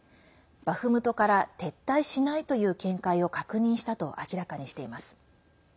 バフムトから撤退しないという見解を確認したと明らかにしています。